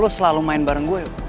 lo selalu main bareng gue